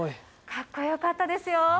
かっこよかったですよ。